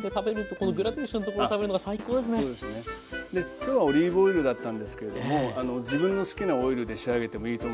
今日はオリーブオイルだったんですけれども自分の好きなオイルで仕上げてもいいと思います。